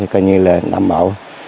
còn đảm bảo